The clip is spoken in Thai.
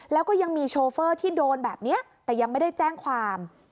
แล้วก็ยังมีโชเฟอร์ที่โดนแบบนี้แต่ยังไม่ได้แจ้งความ